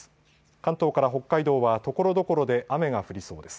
関東から北海道はところどころで雨が降りそうです。